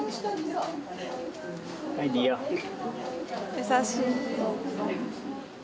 優しい。